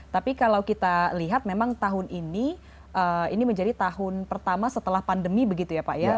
tapi kalau kita lihat memang tahun ini ini menjadi tahun pertama setelah pandemi begitu ya pak ya